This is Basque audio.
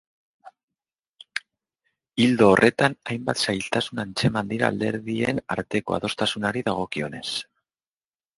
Ildo horretan, hainbat zailtasun atzeman dira alderdien arteko adostasunari dagokionez.